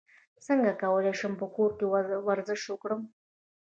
څنګه کولی شم په کور کې ورزش وکړم